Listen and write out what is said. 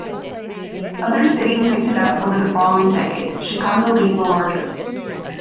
Other cities picked it up over the following decade, Chicago being the largest.